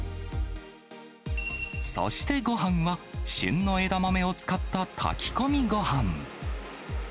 そしてごはんは、旬の枝豆を使った炊き込みごはん。